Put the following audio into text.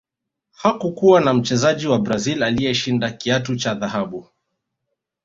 hakukuwa na mchezaji wa brazil aliyeshinda kiatu cha dhahabu